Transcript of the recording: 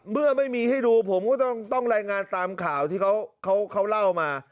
เมื่อไม่มีให้ดูผมก็ต้องรายงานตามข่าวที่เขาเล่ามา